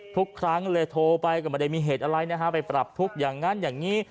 ทุกครั้งโทรไปก็ไม่ได้เหตุอะไรไปปรับธุปอย่างนั้น